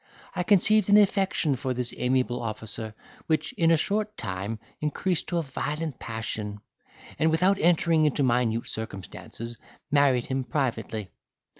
I conceived an affection for this amiable officer, which, in a short time, increased to a violent passion, and without entering into minute circumstances, married him privately.